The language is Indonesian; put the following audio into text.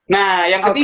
nah yang ketiga